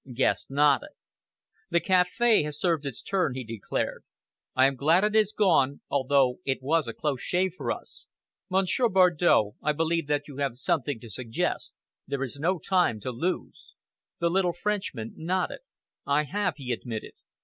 Guest nodded. "The café has served its turn," he declared. "I am glad it is gone, although it was a close shave for us. Monsieur Bardow, I believe that you have something to suggest. There is no time to lose!" The little Frenchman nodded. "I have," he admitted.